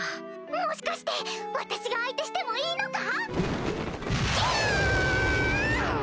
もしかして私が相手してもいいのか？ギュン！